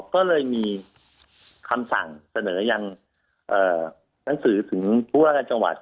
ก็เลยมีคำสั่งเสนอยังหนังสือถึงผู้ว่าการจังหวัด